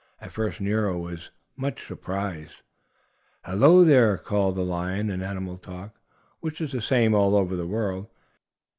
At first Nero was much surprised. "Hello, there!" called the lion, in animal talk, which is the same all over the world.